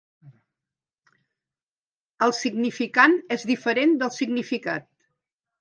El significant és diferent del significat.